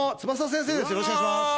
よろしくお願いします。